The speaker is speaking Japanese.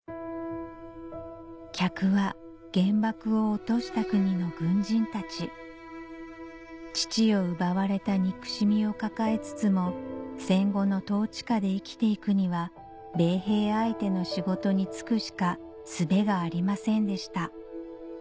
客は原爆を落とした国の軍人たち父を奪われた憎しみを抱えつつも戦後の統治下で生きていくには米兵相手の仕事に就くしかすべがありませんでした